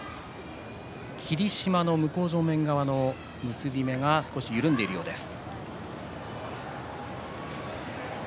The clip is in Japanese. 霧島の向正面側の結び目が少し緩んでいるようです。